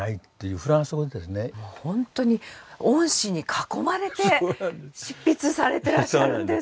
本当に恩師に囲まれて執筆されてらっしゃるんですね。